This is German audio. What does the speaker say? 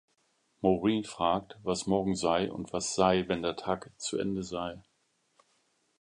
Maureen fragt, was morgen sei und was sei, wenn der Tag zu Ende sei.